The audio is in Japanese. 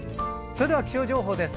それでは気象情報です。